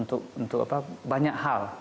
untuk banyak hal